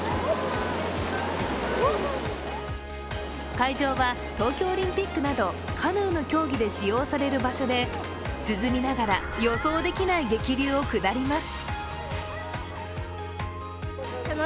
会場は東京オリンピックなどカヌーの競技で使用される場所で涼みながら予想できない激流を下ります。